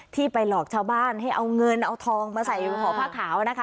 ที่ไปหลอกชาวบ้านให้เอาเงินเอาทองมาใส่อยู่ห่อผ้าขาวนะคะ